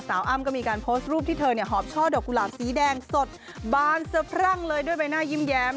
อ้ำก็มีการโพสต์รูปที่เธอหอบช่อดอกกุหลาบสีแดงสดบานสะพรั่งเลยด้วยใบหน้ายิ้มแย้ม